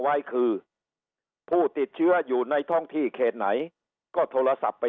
ไว้คือผู้ติดเชื้ออยู่ในท้องที่เขตไหนก็โทรศัพท์ไป